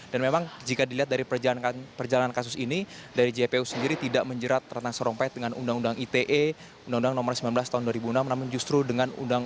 dan memang jika dilihat dari perjalanan kasus ini dari jpu sendiri tidak menjerat ratang sarumpait dengan undang undang ite undang undang nomor sembilan belas tahun dua ribu enam